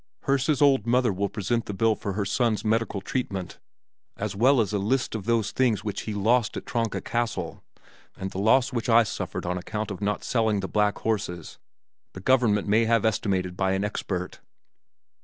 Herse's old mother will present the bill for her son's medical treatment, as well as a list of those things which he lost at Tronka Castle; and the loss which I suffered on account of not selling the black horses the government may have estimated by an expert."